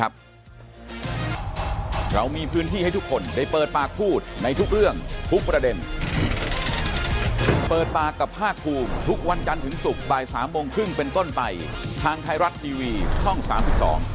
ผมพี่ลาไปก่อนครับสวัสดีครับ